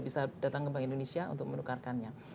bisa datang ke bank indonesia untuk menukarkannya